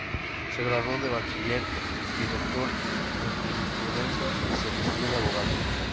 Se graduó de bachiller y doctor en Jurisprudencia, y se recibió de abogado.